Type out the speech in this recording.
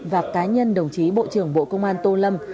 và cá nhân đồng chí bộ trưởng bộ công an tô lâm